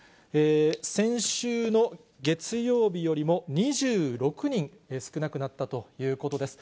先週の月曜日よりも２６人少なくなったということです。